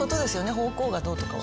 方向がどうとかは。